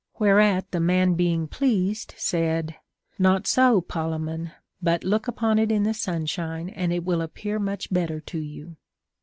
Whereat the man being pleased said : Not so, Polemon, but look upon it in the sunshine, and it will appear much better to you.